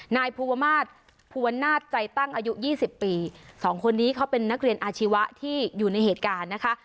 นายภูวมาศภูวนาศใจตั้งอายุยี่สิบปีสองคนนี้เขาเป็นนักเรียนอาชีวะที่อยู่ในเหตุการณ์นะคะ